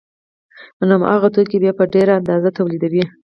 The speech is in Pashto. نو هماغه توکي بیا په ډېره اندازه تولیدوي